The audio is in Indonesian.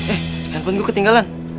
eh handphone gue ketinggalan